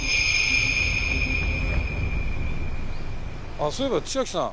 あっそういえば千秋さん。